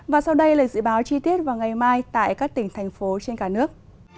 và sau đây là dự báo chi tiết vào ngày mai tại các tỉnh thành phố trên cả nước